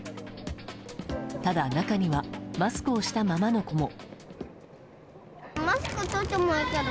ただ、中にはマスクをしたままの子も。